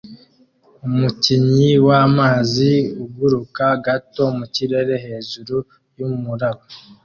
umukinnyi wamazi uguruka gato mukirere hejuru yumuraba